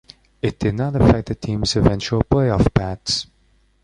It did not affect the teams' eventual playoff paths.